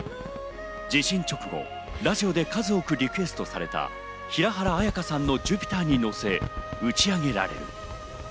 地震直後、ラジオで数多くリクエストされた平原綾香さんの『Ｊｕｐｉｔｅｒ』に乗せ、打ち上げられる。